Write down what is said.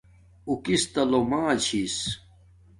اُو کس تا لوما چھس